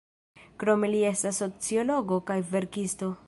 Krome li estas sociologo kaj verkisto.